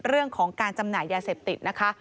เรื่องของการจำหน่ายยาเสพติดนะคะ